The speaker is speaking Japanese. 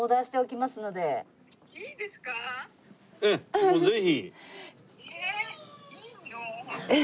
もうぜひ。